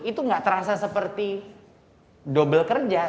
itu tidak seperti kerja yang berdua